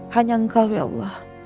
hanya engkau ya allah